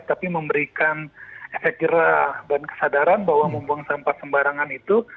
tapi memberikan efek jerah dan kesadaran bahwa membuang sampah sembarangan itu